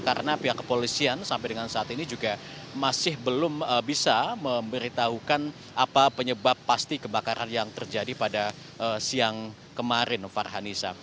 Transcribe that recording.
karena pihak kepolisian sampai dengan saat ini juga masih belum bisa memberitahukan apa penyebab pasti kebakaran yang terjadi pada siang kemarin farhanisa